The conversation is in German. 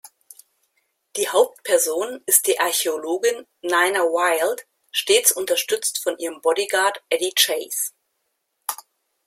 Die Hauptperson ist die Archäologin Nina Wilde, stets unterstützt von ihrem Bodyguard Eddie Chase.